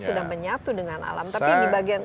sudah menyatu dengan alam tapi ini bagian